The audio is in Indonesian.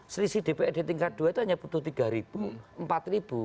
selisih dpr di tingkat dua itu hanya butuh tiga empat ribu